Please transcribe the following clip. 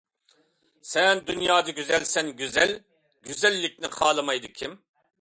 سەن دۇنيادا گۈزەلسەن-گۈزەل، گۈزەللىكنى خالىمايدۇ كىم؟ .